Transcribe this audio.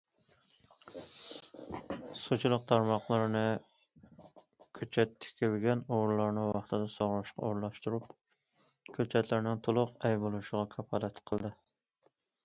سۇچىلىق تارماقلىرىنى كۆچەت تىكىلگەن ئورۇنلارنى ۋاقتىدا سۇغىرىشقا ئورۇنلاشتۇرۇپ، كۆچەتلەرنىڭ تولۇق ئەي بولۇشىغا كاپالەتلىك قىلدى.